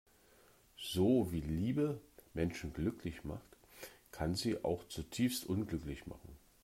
So wie Liebe Menschen glücklich macht, kann sie sie auch zutiefst unglücklich machen.